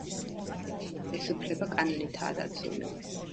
ეს უფლება კანონითაა დაცული.